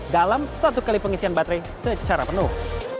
dalam satu kali pengisian baterai secara penuh